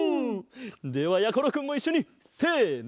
ではやころくんもいっしょにせの。